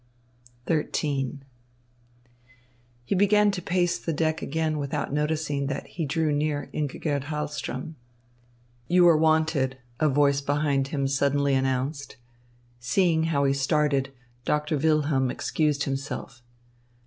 XIII He began to pace the deck again without noticing that he drew near Ingigerd Hahlström. "You are wanted," a voice behind him suddenly announced. Seeing how he started, Doctor Wilhelm excused himself.